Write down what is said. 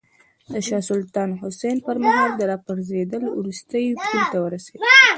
د شاه سلطان حسین په مهال کې راپرزېدل وروستۍ پولې ته ورسېدل.